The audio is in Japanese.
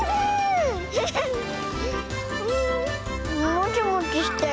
もちもちしてる。